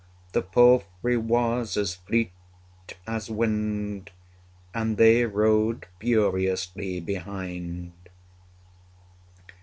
The palfrey was as fleet as wind, 85 And they rode furiously behind.